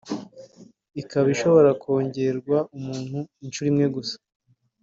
ikaba ishobora kongererwa umuntu inshuro imwe gusa